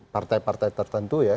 partai partai tertentu ya